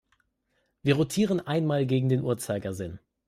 Wir rotieren einmal gegen den Uhrzeigersinn.